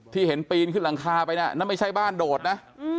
ที่เห็นปีนขึ้นหลังคาไปน่ะนั่นไม่ใช่บ้านโดดนะ